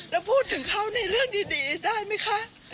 แล้วพูดถึงเขาในเรื่องดีได้ไหมคะ